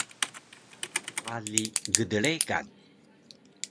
Ali gdregan